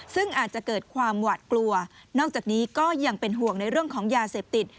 ซึ่งอาจจะเกิดความหวาดกลัวนอกจากนี้ก็ยังเป็นห่วงในเรื่องของยาเสพติด